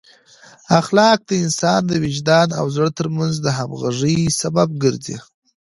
اخلاق د انسان د وجدان او زړه ترمنځ د همغږۍ سبب ګرځي.